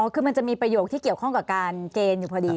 คือมันจะมีประโยคที่เกี่ยวข้องกับการเกณฑ์อยู่พอดี